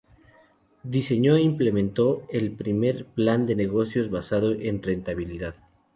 Diseñó e implementó el primer plan de negocios basado en rentabilidad.